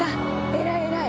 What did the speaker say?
偉い偉い！